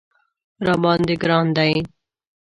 راباندې ګران دی